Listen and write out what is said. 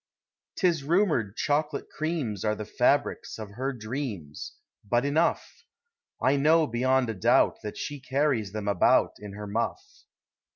'T is rumored chocolate creams Are the fabrics of her dreams — Hut euough ! I know bevoud a doubt That she carries them about Iu her muff.